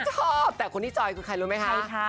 ชอบแต่คนที่จอยคือใครรู้ไหมคะ